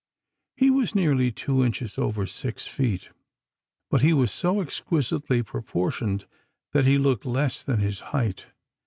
He was nearly two inches over six feet, but he was so exquisitely proportioned that he looked less than his height.